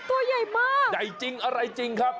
โอ้โหตัวใหญ่มาก